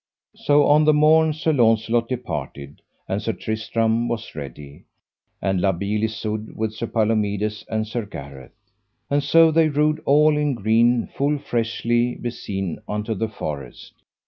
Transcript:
So on the morn Sir Launcelot departed, and Sir Tristram was ready, and La Beale Isoud with Sir Palomides and Sir Gareth. And so they rode all in green full freshly beseen unto the forest.